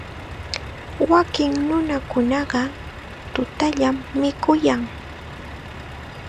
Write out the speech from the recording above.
Wakin nunakunaqa tutallam mikuyan.